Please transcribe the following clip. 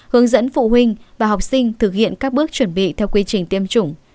hướng dẫn phụ huynh và học sinh thực hiện các bước chuẩn bị theo quy trình tiêm chủng